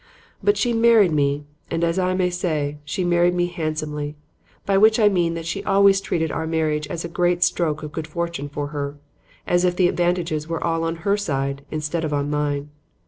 But she married me and, as I may say, she married me handsomely; by which I mean that she always treated our marriage as a great stroke of good fortune for her, as if the advantages were all on her side instead of on mine.